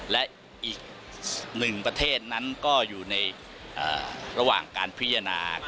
และอีกหนึ่งประเทศนั้นก็อยู่ในระหว่างการพิจารณา